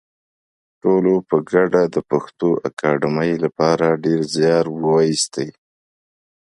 ټولو په ګډه د پښتو اکاډمۍ لپاره ډېر زیار وایستی